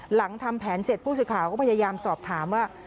หลังทำแผนเสร็จผู้สื่อข่าวก็พยายามสอบถามว่า